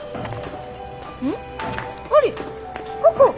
ここ！